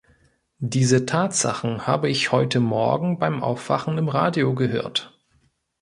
Diese Tatsachen habe ich heute Morgen beim Aufwachen im Radio gehört.